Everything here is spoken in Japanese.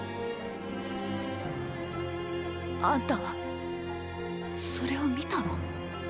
あんたはそれを見たの？